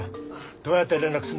どうやって連絡すんだよ。